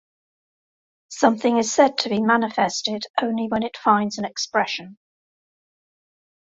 Something is said to be manifested only when it finds an expression.